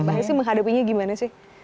mbak hesy menghadapinya gimana sih